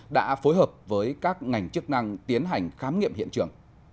đã phối hợp với các ngành chức năng tiến hành khám nghiệm hiện trường